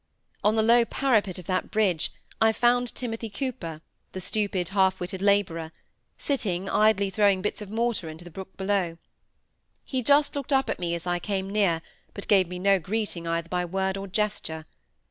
On the low parapet of that bridge I found Timothy Cooper, the stupid, half witted labourer, sitting, idly throwing bits of mortar into the brook below. He just looked up at me as I came near, but gave me no greeting either by word or gesture.